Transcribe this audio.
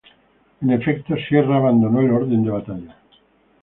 En efecto, Sierra abandonó el orden de batalla.